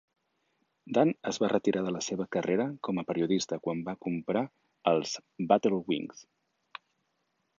Dan es va retirar de la seva carrera com a periodista quan va comprar els Battle Wings.